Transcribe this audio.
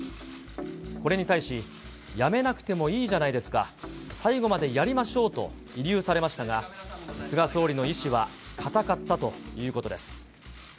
これに対し、辞めなくてもいいじゃないですか、最後までやりましょうと慰留されましたが、菅総理の意思は固かったということです。